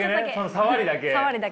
さわりだけ。